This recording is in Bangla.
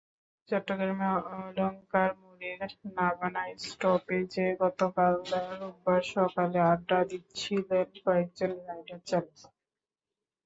চট্টগ্রামের অলংকার মোড়ের নাভানা স্টপেজে গতকাল রোববার সকালে আড্ডা দিচ্ছিলেন কয়েকজন রাইডারচালক।